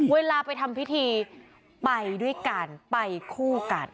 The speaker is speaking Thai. เวลาไปทำพิธีไปด้วยกันไปคู่กัน